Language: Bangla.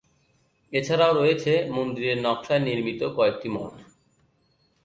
এছাড়াও রয়েছে মন্দিরের নকশায় নির্মিত কয়েকটি মঠ।